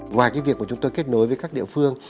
ngoài việc chúng tôi kết nối với các địa phương